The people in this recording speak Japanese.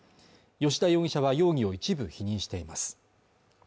吉田容疑者は容疑を一部否認しています